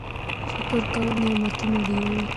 شکر کول نعمتونه ډیروي.